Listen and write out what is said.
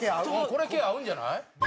これ系合うんじゃない？